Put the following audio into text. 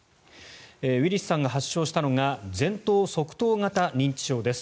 ウィリスさんが発症したのが前頭側頭型認知症です。